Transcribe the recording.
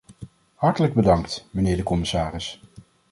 Hartelijk bedankt, mijnheer de commissaris.